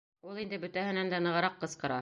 Ул инде бөтәһенән дә нығыраҡ ҡысҡыра: